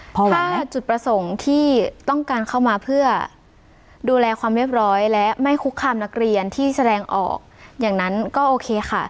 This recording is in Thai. ถ้าจุดประสงค์ที่ต้องการเข้ามาเพื่อดูแลความเรียบร้อยและไม่คุกคามนักเรียนที่แสดงออกอย่างนั้นก็โอเคค่ะ